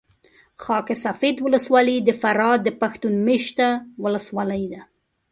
خاک سفید ولسوالي د فراه پښتون مېشته ولسوالي ده